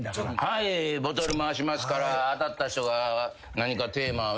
はいボトル回しますから当たった人が何かテーマをね